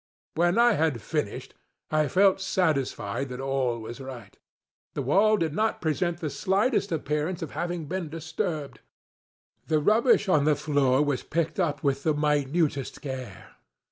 When I had finished, I felt satisfied that all was right. The wall did not present the slightest appearance of having been disturbed. The rubbish on the floor was picked up with the minutest care.